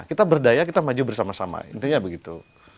kita berdaya kita maju bersama sama intinya begitu